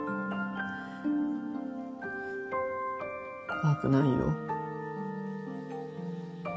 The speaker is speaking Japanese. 怖くないよ